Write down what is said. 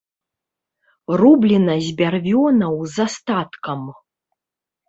Рублена з бярвёнаў з астаткам.